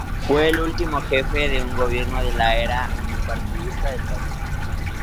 Fue el último jefe de un gobierno de la era unipartidista del país.